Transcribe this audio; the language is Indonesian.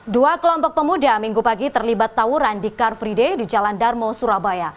dua kelompok pemuda minggu pagi terlibat tawuran di car free day di jalan darmo surabaya